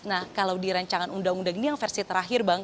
nah kalau di rancangan undang undang ini yang versi terakhir bang